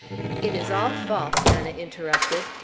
"It is all false!" Anna interrupted.